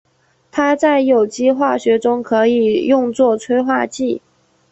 它在有机化学中可以用作催化剂。